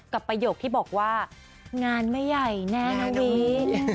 ประโยคที่บอกว่างานไม่ใหญ่แน่นะวี